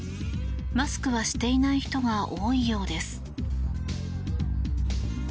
マスクはしていない人が多いようです。